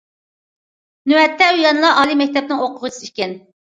نۆۋەتتە ئۇ يەنىلا ئالىي مەكتەپنىڭ ئوقۇغۇچىسى ئىكەن.